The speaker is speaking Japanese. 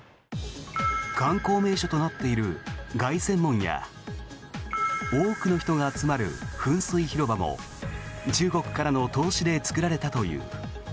観光名所となっている凱旋門や多くの人が集まる噴水広場も中国からの投資で作られたという。